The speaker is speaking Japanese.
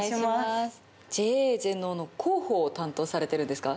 ＪＡ全農の広報を担当されてるんですか？